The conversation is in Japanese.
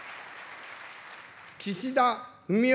岸田文雄